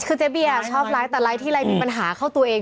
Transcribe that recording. คือเจ๊เบียชอบไลฟ์แต่ไลฟ์ทีไรมีปัญหาเข้าตัวเอง